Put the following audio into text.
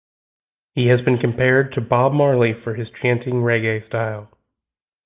He has been compared to Bob Marley for his chanting reggae style.